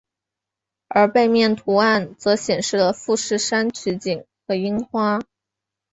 而背面图案则显示了富士山取景和樱花。